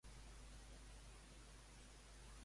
Per què Ernest s'emocionà durant la investidura?